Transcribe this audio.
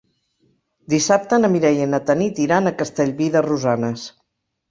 Dissabte na Mireia i na Tanit iran a Castellví de Rosanes.